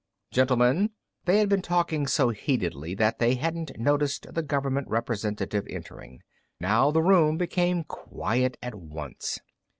"Gentlemen " They had been talking so heatedly that they hadn't noticed the government representative entering. Now the room became quiet at once.